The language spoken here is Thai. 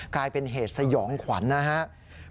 กลายเป็นเหตุสยองขวัญนะครับ